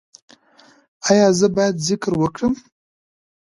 ایا زه باید ذکر وکړم؟